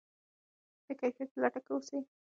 د کیفیت په لټه کې اوسئ.